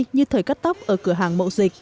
như thời cắt tóc ở cửa hàng